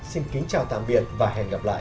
xin kính chào tạm biệt và hẹn gặp lại